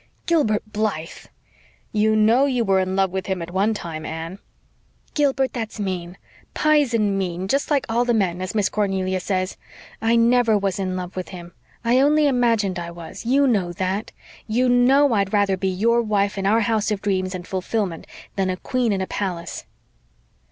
'" "Gilbert BLYTHE!" "You KNOW you were in love with him at one time, Anne." "Gilbert, that's mean 'pisen mean, just like all the men,' as Miss Cornelia says. I NEVER was in love with him. I only imagined I was. YOU know that. You KNOW I'd rather be your wife in our house of dreams and fulfillment than a queen in a palace."